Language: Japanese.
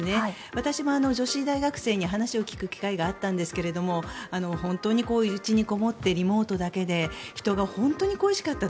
私も女子大学生に話を聞く機会があったんですが本当に、うちにこもってリモートだけで人が本当に恋しかったと。